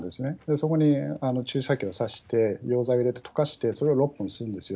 そこに注射器を刺して、溶剤を入れて溶かして、それを６本にするんですよ。